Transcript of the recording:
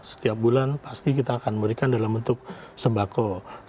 setiap bulan pasti kita akan memberikan dalam bentuk sembako